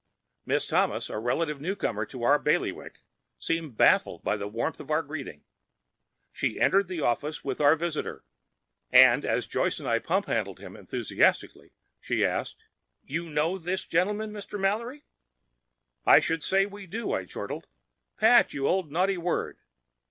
Miss Thomas, a relative newcomer to our bailiwick, seemed baffled by the warmth of our greeting. She entered the office with our visitor, and as Joyce and I pumphandled him enthusiastically she asked, "You—you know this gentleman, Mr. Mallory?" "I should say we do!" I chortled. "Pat, you old naughty word!